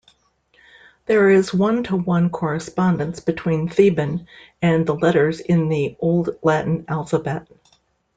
There is one-to-one correspondence between Theban and the letters in the old Latin alphabet.